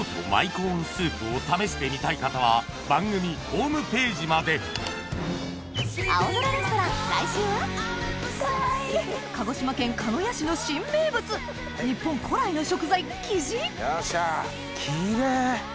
コーンスープを試してみたい方は番組ホームページまで鹿児島県鹿屋市の新名物日本古来の食材キジよっしゃキレイ！